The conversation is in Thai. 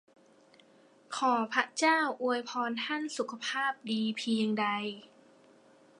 ขอพระเจ้าอวยพรท่านสุขภาพดีเพียงใด!